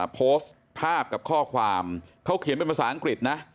โพสต์ภาพกับข้อความเขาเขียนเป็นภาษาอังกฤษนะ